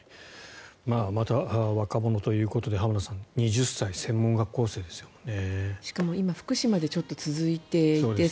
また若者ということで浜田さん、２０歳専門学校生ですね。